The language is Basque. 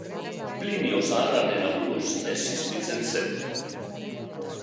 Plinio Zaharraren aburuz, existitzen zen.